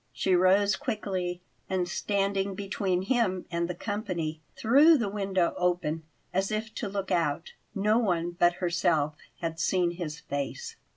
She rose quickly and, standing between him and the company, threw the window open as if to look out. No one but herself had seen his face.